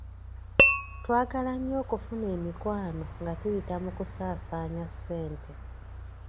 Twagala nnyo okufuna emikwano nga tuyita mu kusaasaanya ssente.